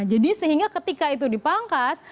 jadi sehingga ketika itu dipangkas